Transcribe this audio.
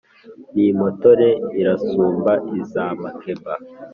Ni impotore irasumba iz’amakeba